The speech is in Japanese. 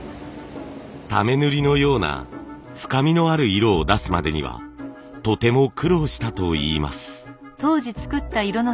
溜塗のような深みのある色を出すまでにはとても苦労したといいます。